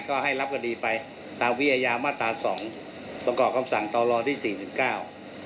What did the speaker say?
ก็ให้รับคดีไปตามวิอาญามาตราสองประกอบคำสั่งต่อรอที่สี่หนึ่งเก้า